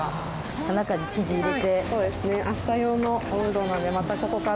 中に生地入れて。